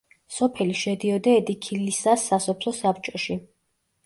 სოფელი შედიოდა ედიქილისას სასოფლო საბჭოში.